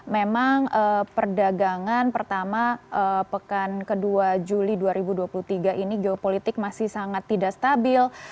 memang perdagangan pertama pekan kedua juli dua ribu dua puluh tiga ini geopolitik masih sangat tidak stabil